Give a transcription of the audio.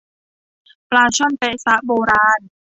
ปลาช่อนแป๊ะซะโบราณ